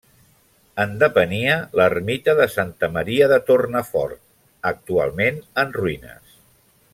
En depenia l'ermita de Santa Maria de Tornafort, actualment en ruïnes.